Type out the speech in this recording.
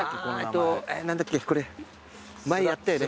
これ前やったよね。